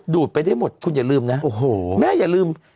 ดูดไปได้หมดคุณอย่าลืมนะแม่อย่าลืม